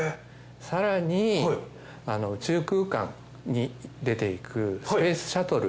さらに宇宙空間に出ていくスペースシャトル。